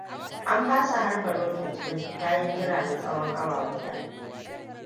An fasa harba rocket din bayan jira na tsawon awa guda.